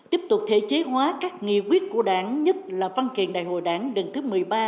tiếp tục thể chế hóa các nghị quyết của đảng nhất là văn kiện đại hội đảng lần thứ một mươi ba